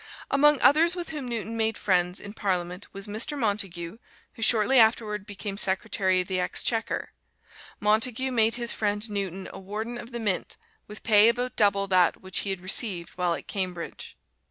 Among others with whom Newton made friends in Parliament was Mr. Montague, who shortly afterward became Secretary of the Exchequer. Montague made his friend Newton a Warden of the Mint, with pay about double that which he had received while at Cambridge.